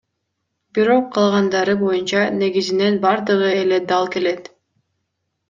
Бирок калгандары боюнча, негизинен бардыгы эле дал келет.